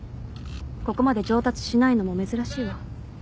ここまで上達しないのも珍しいわ。